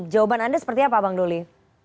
jawaban anda seperti apa bang doli